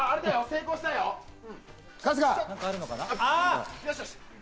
よしよし！